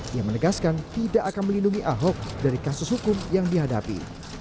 ia menegaskan tidak akan melindungi ahok dari kasus hukum yang dihadapi